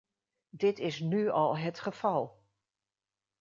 Dit is nu al het geval.